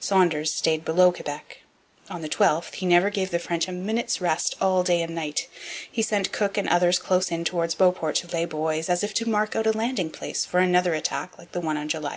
Saunders stayed below Quebec. On the 12th he never gave the French a minute's rest all day and night. He sent Cook and others close in towards Beauport to lay buoys, as if to mark out a landing place for another attack like the one on July 31.